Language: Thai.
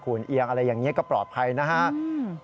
คุณเอียงอะไรอย่างนี้ก็ปลอดภัยนะครับ